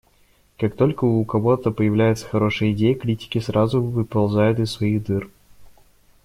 Как только у кого-то появляется хорошая идея, критики сразу выползают из своих дыр.